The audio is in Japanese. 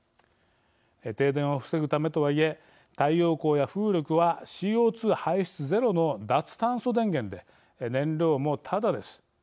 停電を防ぐためとはいえ太陽光や風力はＣＯ２排出ゼロの脱炭素電源で、燃料もただです。